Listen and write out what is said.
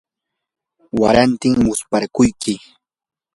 waratim musparquyki.